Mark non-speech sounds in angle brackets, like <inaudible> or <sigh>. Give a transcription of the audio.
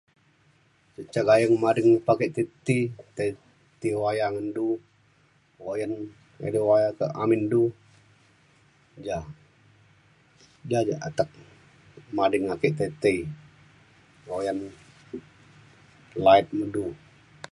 ca gayeng mading pa ke ti ti tai ti wayang ngan du uyan <unintelligible> kak amin du ja. ja ja atek mading ake tai ti uyan <unintelligible> ngan du